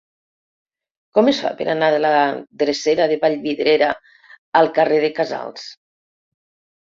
Com es fa per anar de la drecera de Vallvidrera al carrer de Casals?